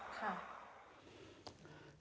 ค่ะ